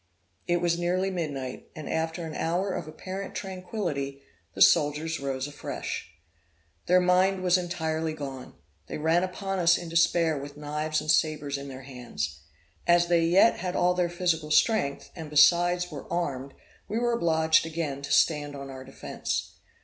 It was nearly midnight; and after an hour of apparent tranquility, the soldiers rose afresh. Their mind was entirely gone; they ran upon us in despair with knives and sabres in their hands. As they yet had all their physical strength, and besides were armed, we were obliged again to stand on our defence.